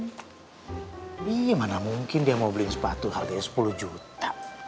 gimana mungkin dia mau beli sepatu harganya sepuluh juta